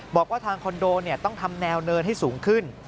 บอกว่าทางคอนโดต้องทำแนวเนินให้สูงขึ้น